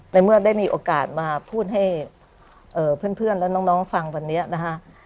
ในเมื่อได้มีโอกาสมาพูดให้เพื่อนและน้องฟังวันนี้นะฮะ